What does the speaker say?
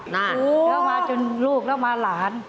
นั่นแล้วมาจนลูกแล้วมาหลาน